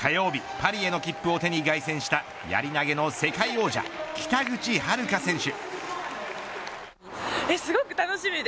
パリへの切符を手に凱旋したやり投げの世界王者北口榛花選手。